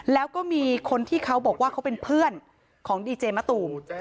แล้วก็มีคนที่เขาบอกว่าเขาเป็นเพื่อนของดีเจมะตูม